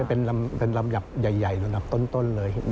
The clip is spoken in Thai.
เป็นลำหยับใหญ่ลำหยับต้นเลย